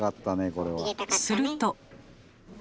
すると。